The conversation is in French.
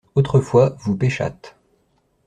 Autrefois vous pêchâtes.